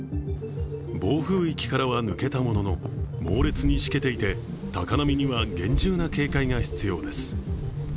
暴風域からは抜けたものの、猛烈にしけていて高波には厳重な警戒が必要です。